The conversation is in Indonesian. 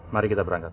mari kita berangkat